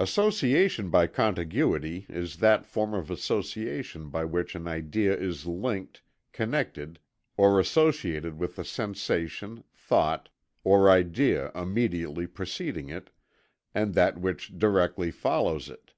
Association by contiguity is that form of association by which an idea is linked, connected, or associated with the sensation, thought, or idea immediately preceding it, and that which directly follows it.